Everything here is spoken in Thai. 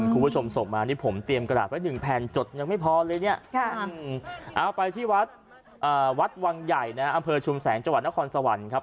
คุณผู้ชมส่งมานี่ผมเตรียมกระดาษไว้หนึ่งแผ่นจดยังไม่พอเลยเนี่ยเอาไปที่วัดวัดวังใหญ่นะอำเภอชุมแสงจังหวัดนครสวรรค์ครับ